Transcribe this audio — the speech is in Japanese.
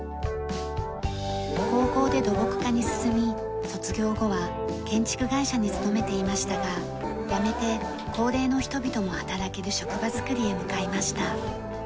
高校で土木科に進み卒業後は建築会社に勤めていましたが辞めて高齢の人々も働ける職場づくりへ向かいました。